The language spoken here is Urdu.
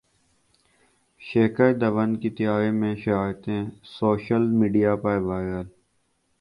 شیکھر دھون کی طیارے میں شرارتیں سوشل میڈیا پر وائرل